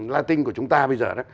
latin của chúng ta bây giờ